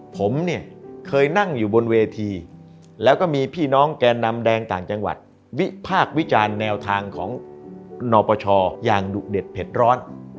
ผมเนี่ยเคยนั่งอยู่บนเวทีแล้วก็มีพี่น้องแก่นำแดงต่างจังหวัดวิพากษ์วิจารณ์แนวทางของนปชอย่างดุเด็ดเผ็ดร้อน